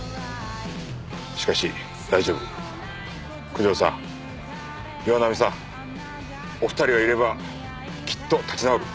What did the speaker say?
九条さん岩並さんお二人がいればきっと立ち直る。